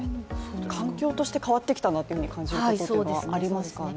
環境として変わってきたなと感じるようなことはありますかね？